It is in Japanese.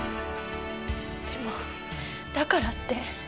でもだからって。